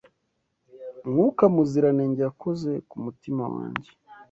Mwuka Muziranenge yakoze ku mutima wange